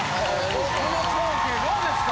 この光景どうですか？